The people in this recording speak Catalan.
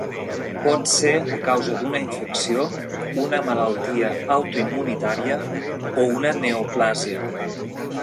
Pot ser a causa d'una infecció, una malaltia autoimmunitària, o una neoplàsia.